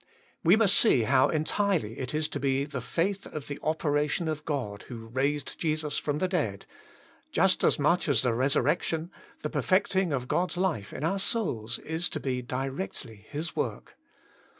We must see how entirely it is to be the faith of the operation of God who raised Jesus from the dead — just as much as the resurrection, the perfecting of God's life in our souls is to be directly His work.